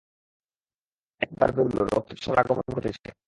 একবার বেরুল, রক্তচোষার আগমন ঘটেছে।